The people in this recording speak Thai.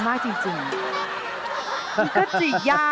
ไม่รู้เลย